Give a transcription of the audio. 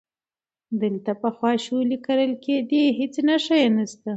دلته پخوا شولې کرلې کېدې، هیڅ نښه یې نشته،